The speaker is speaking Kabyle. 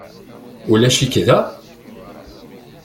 Ulac-ik da?